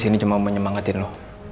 gue ke sini cuma mau nyemangatin lo